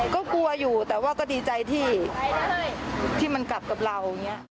ก็กลัวอยู่แต่ว่าก็ดีใจที่ที่มันกลับกับเรา